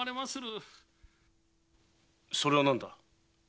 それは何だ？